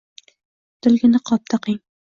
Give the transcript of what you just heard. Dilga niqob taqing –